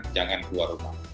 jangan keluar rumah